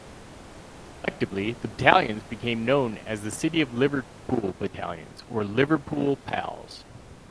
Collectively, the battalions became known as the City of Liverpool battalions or "Liverpool Pals".